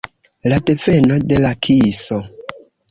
La deveno de la kiso.